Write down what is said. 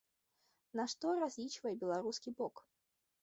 На што разлічвае беларускі бок?